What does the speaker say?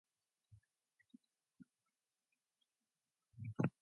His on-set assistant trainers included Gerry Warshauer and Karl Miller.